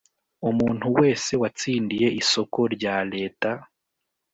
Umuntu wese watsindiye isoko rya Leta